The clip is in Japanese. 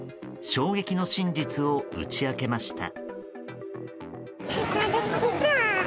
衝撃の真実を打ち明けました。